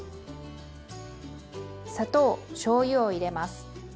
砂糖しょうゆを入れます。